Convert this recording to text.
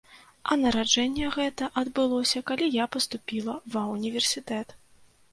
А нараджэнне гэта адбылося, калі я паступіла ва універсітэт.